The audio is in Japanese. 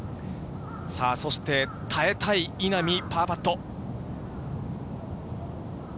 さあ、そして耐えたい稲見、パーパット。